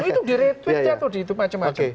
itu di replik jatuh di itu macam macam